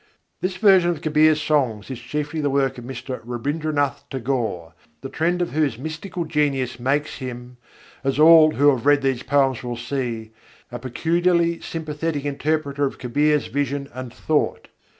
"This version of Kabîr's songs is chiefly the work of Mr. Rabîndranâth Tagore, the trend of whose mystical genius makes him as all who read these poems will see a peculiarly sympathetic interpreter of Kabîr's vision and thought.